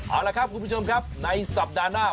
เอาละครับคุณผู้ชมครับในสัปดาห์หน้า